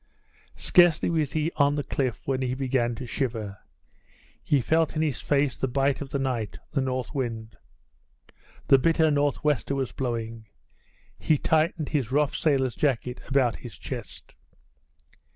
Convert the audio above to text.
Scarcely was he on the cliff when he began to shiver. He felt in his face that bite of the night, the north wind. The bitter north wester was blowing; he tightened his rough sailor's jacket about his chest.